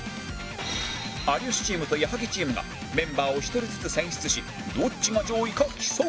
有吉チームと矢作チームがメンバーを１人ずつ選出しどっちが上位か競う